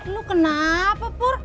lu kenapa pur